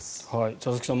佐々木さん